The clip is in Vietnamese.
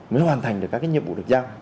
mới hoàn thành được các nhiệm vụ được giao